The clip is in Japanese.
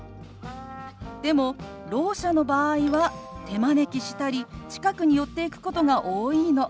でもろう者の場合は手招きしたり近くに寄っていくことが多いの。